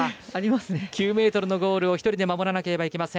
９ｍのゴールを１人で守らなければなりません。